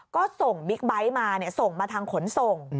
ก็ส่งบิ๊กไบท์มาส่งมาทางขนส่ง